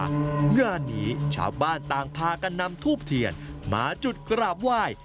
งานนี้ชาวบ้านต่างพากันนำทูบเทียนมาจุดกราบไหว้